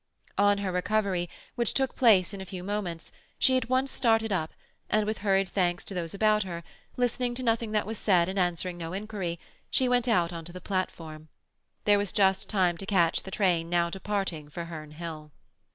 On her recovery, which took place in a few moments, she at once started up, and with hurried thanks to those about her, listening to nothing that was said and answering no inquiry, went out on to the platform. There was just time to catch the train now departing for Herne Hill.